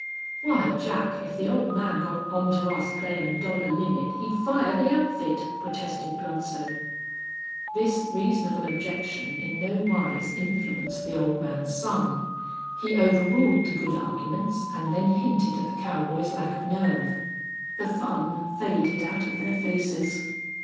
"Why, Jack, if the ole man got on to us playin' a dollar limit he'd fire the outfit," protested Bludsoe. This reasonable objection in no wise influenced the old man's son. He overruled the good arguments, and then hinted at the cowboys' lack of nerve. The fun faded out of their faces.